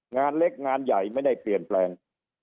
งานเล็กงานใหญ่ไม่ได้เปลี่ยนแปลง